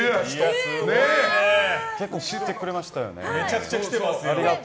結構知ってくれましたよねありがとう。